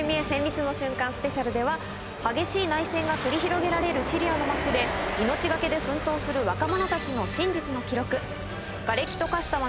激しい内戦が繰り広げられるシリアの町で命がけで奮闘する若者たちの真実の記録。